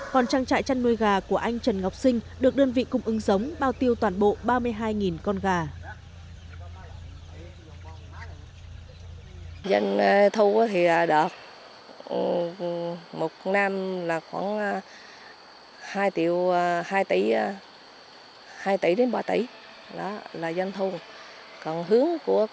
còn trang trại chăn nuôi gà của anh trần ngọc sinh được đơn vị cung ứng giống bao tiêu toàn bộ ba mươi hai con gà